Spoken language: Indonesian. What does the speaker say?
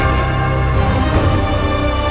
sudah berhasil memuasai